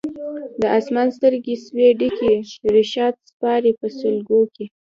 د اسمان سترګي سوې ډکي رشاد سپاري په سلګو کي